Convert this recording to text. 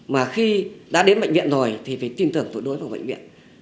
mà khi đã đến bệnh viện rồi thì phải tin tưởng tuyệt đối vào bệnh viện